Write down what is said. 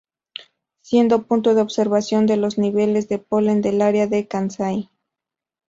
Siendo punto de observación de los niveles de polen del área de Kansai.